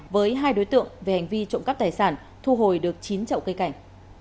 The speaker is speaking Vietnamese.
với hai đối tượng về hành vi trộm cắp tài sản thu hồi được chín chậu cây cảnh